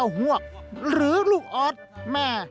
ต้องหาคู่เต้นอยู่ป่ะคะ